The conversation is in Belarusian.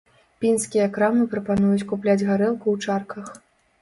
Пінскія крамы прапануюць купляць гарэлку ў чарках.